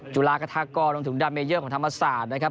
จุฬากระทากรรวมถึงดาเมเยอร์ของธรรมศาสตร์นะครับ